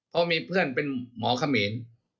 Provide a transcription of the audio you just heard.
เพราะมีเพื่อนเป็นหมอเขมร